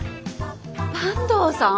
坂東さん！？